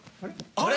・あれ？